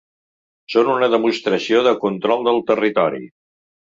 Són una demostració de control del territori.